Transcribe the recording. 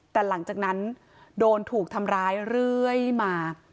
แต่หลังจากนั้นโดนถูกทำร้ายเรื่อยมา